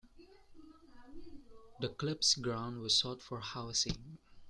The club's ground was sold for housing.